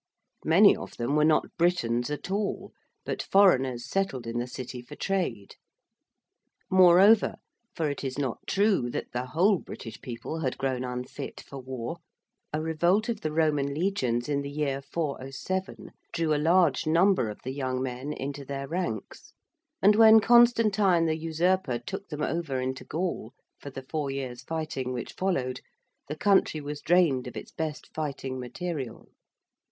Many of them were not Britons at all, but foreigners settled in the City for trade. Moreover, for it is not true that the whole British people had grown unfit for war, a revolt of the Roman legions in the year 407 drew a large number of the young men into their ranks, and when Constantine the usurper took them over into Gaul for the four years' fighting which followed, the country was drained of its best fighting material.